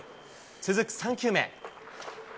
続く３球目。